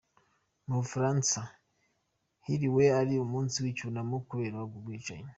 Mu Bufaransa, hiriwe ari umunsi w’icyunamo, kubera ubwo bwicanyi.